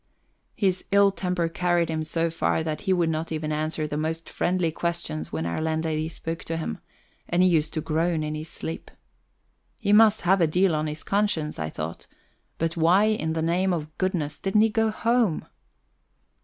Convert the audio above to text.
His ill temper carried him so far that he would not even answer the most friendly questions when our landlady spoke to him; and he used to groan in his sleep. He must have a deal on his conscience, I thought but why in the name of goodness didn't he go home?